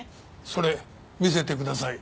それ見せてください。